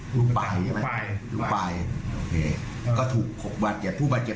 หลูกใบหรอหลูกใบหลูกใบโอเคก็ถูกคนบาดเย็บผู้บาดเย็บ